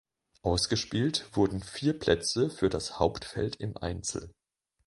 Ausgespielt wurden vier Plätze für das Hauptfeld im Einzel.